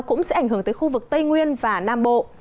cũng sẽ ảnh hưởng tới khu vực tây nguyên và nam bộ